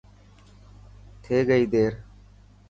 ٿي گئي دير.